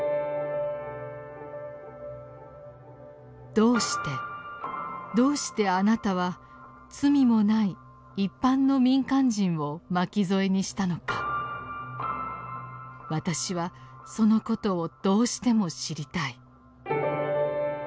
「どうしてどうして貴方は罪もない一般の民間人を巻きぞえにしたのか私はその事をどうしても知りたい」。